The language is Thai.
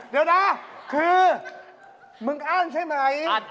เดี๋ยวนะคือมึงอ้านใช่ไหม